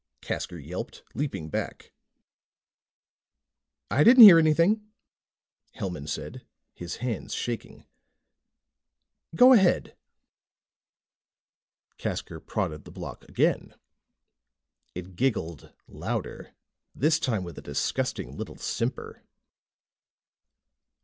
Casker yelped, leaping back. "I didn't hear anything," Hellman said, his hands shaking. "Go ahead." Casker prodded the block again. It giggled louder, this time with a disgusting little simper.